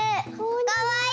かわいい！